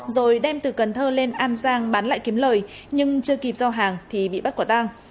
rồi đem từ cần thơ lên an giang bán lại kiếm lời nhưng chưa kịp giao hàng thì bị bắt quả tang